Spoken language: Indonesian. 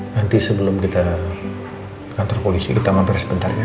nanti sebelum kita kantor polisi kita mampir sebentarnya